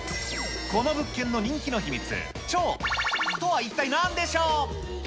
この物件の人気の秘密、超×××とは、一体なんでしょう？